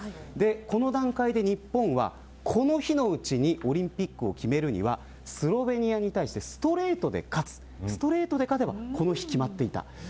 この段階で日本はこの日のうちにオリンピックを決めるにはスロベニアに対してストレートで勝つストレートで勝てば決まっていました。